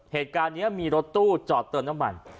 เหตุการณ์นี้มีรถตู้จอดเติมน้ำมัน